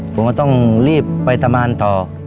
ผมก็ต้องรีบไปทำงานต่อ